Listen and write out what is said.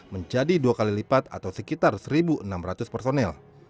menjadi dua kali lipat atau sekitar satu enam ratus personel